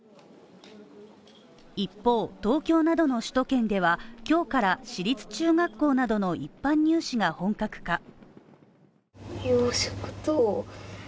一方、東京などの首都圏では今日から私立中学校などの一般入試が本格化。